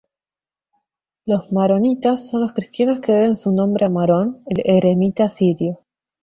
Los maronitas son los cristianos que deben su nombre a Marón, el eremita sirio.